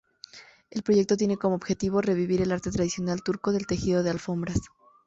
El proyecto tiene como objetivo revivir el arte tradicional turco del tejido de alfombras.